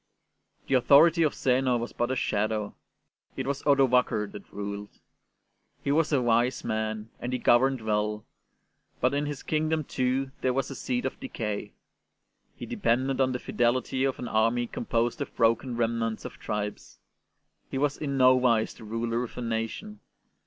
The authority of Zeno was but a shadow; it was Odovaker that ruled. He was a wise man, and he governed well; but in his kingdom, too, there was a seed of decay. He depended on the fidelity of an army composed of broken remnants of tribes; he was in no wise the ruler of a nation.